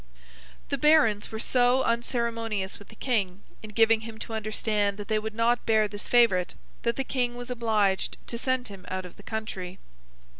The Barons were so unceremonious with the King in giving him to understand that they would not bear this favourite, that the King was obliged to send him out of the country.